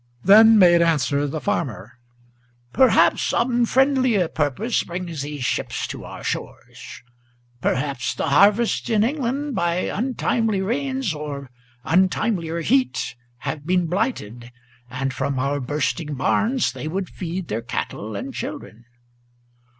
Then made answer the farmer: "Perhaps some friendlier purpose Brings these ships to our shores. Perhaps the harvests in England By untimely rains or untimelier heat have been blighted, And from our bursting barns they would feed their cattle and children."